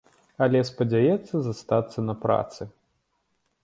Але спадзяецца застацца на працы.